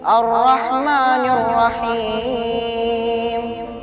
ayah anda prabu